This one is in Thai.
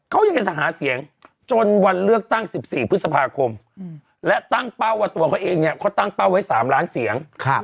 เขายังจะหาเสียงจนวันเลือกตั้ง๑๔พฤษภาคมและตั้งเป้าว่าตัวเขาเองเนี่ยเขาตั้งเป้าไว้๓ล้านเสียง